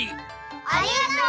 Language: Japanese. ありがとう！